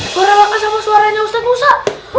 suara suara sama suaranya ustadz musa